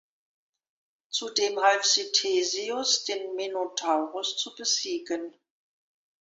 Zudem half sie Theseus den Minotauros zu besiegen.